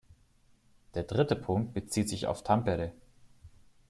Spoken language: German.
Der dritte Punkt bezieht sich auf Tampere.